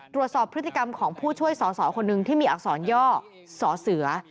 ตรวจสอบพฤติกรรมของผู้ช่วยสอสอคนหนึ่งที่มีอักษรย่อสอเสือ